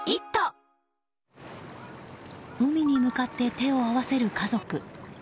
海に向かって手を合わせる家族。